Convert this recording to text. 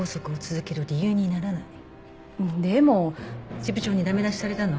支部長に駄目出しされたの？